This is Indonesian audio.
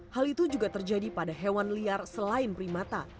hal itu juga terjadi pada hewan liar selain primata